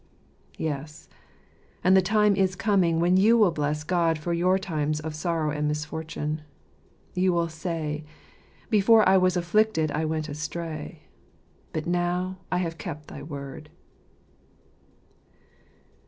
Yes, and the time is coming when you will bless God for your times of sorrow and misfortune. You will say, " Before I was afflicted I went astray ; but now have I kept thy Word."